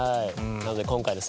なので今回ですね